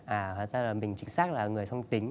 à hẳn ra là mình chính xác là người song tính